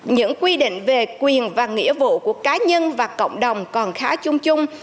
những quy định về quyền và nghĩa vụ của cá nhân và cộng đồng còn khá chung chung